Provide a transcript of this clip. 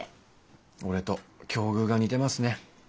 俺と境遇が似てますね。